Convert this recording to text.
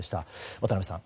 渡辺さん。